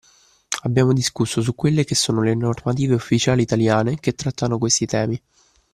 Abbiamo discusso su quelle che sono le normative ufficiali Italiane che trattano questi temi